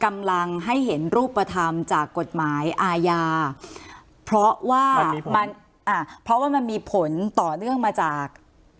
อ่าเพราะว่ามันมีผลต่อเนื่องมาจาก